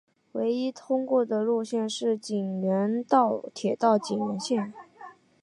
唯一通过的路线是井原铁道井原线。